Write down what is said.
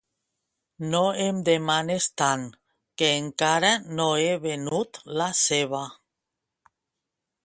No em demanes tant que encara no he venut la ceba.